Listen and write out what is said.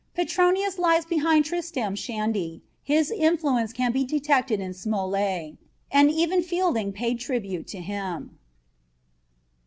Petronius lies behind Tristram Shandy, his influence can be detected in Smollett, and even Fielding paid tribute to him.